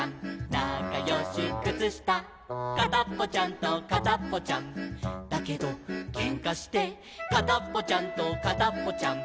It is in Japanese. なかよしくつした」「かたっぽちゃんとかたっぽちゃんだけどけんかして」「かたっぽちゃんとかたっぽちゃん」